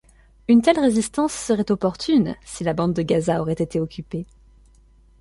Une telle résistance serait opportune, si la bande de Gaza aurait été occupée.